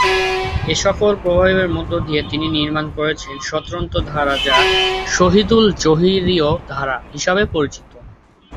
এসকল প্রভাবের মধ্য দিয়ে তিনি নির্মাণ করেছেন স্বতন্ত্র ধারা, যা "শহীদুল জহিরীয় ধারা" হিসেবে পরিচিত।